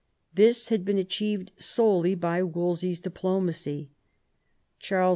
This had been achieved solely by Wolsey's diplomacy. Charles V.